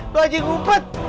lu aja yang ngumpet